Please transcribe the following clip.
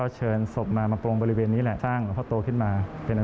จึงทำให้พระเจ้าสายน้ำผึ้ง